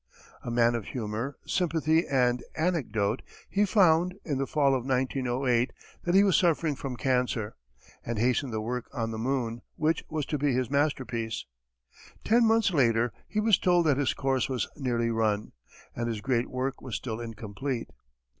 A man of humor, sympathy and anecdote, he found, in the fall of 1908, that he was suffering from cancer, and hastened the work on the moon, which was to be his masterpiece. Ten months later, he was told that his course was nearly run and his great work was still incomplete.